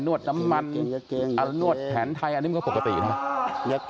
วดน้ำมันนวดแผนไทยอันนี้มันก็ปกตินะ